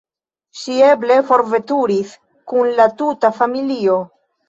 Ŝi eble forveturis kun la tuta familio.